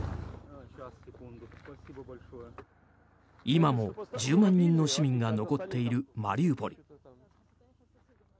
今も１０万人の市民が残っているマリウポリ。